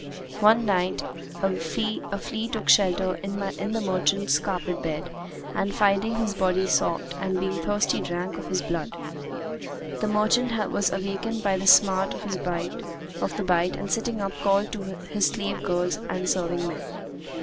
One night, a flea took shelter in the merchant's carpet bed and, finding his body soft, and being thirsty drank of his blood. The merchant was awakened by the smart of the bite and sitting up called to his slave girls and serving men.